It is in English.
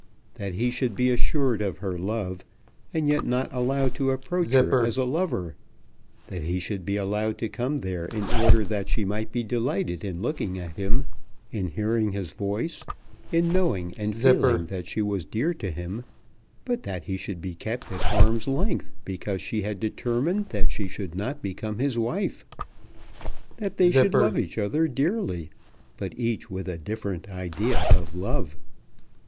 That he should be assured of her love, and yet not allowed to approach her as a lover! That he should be allowed to come there in order that she might be delighted in looking at him, in hearing his voice, in knowing and feeling that she was dear to him; but that he should be kept at arm's length because she had determined that she should not become his wife! That they should love each other dearly; but each with a different idea of love!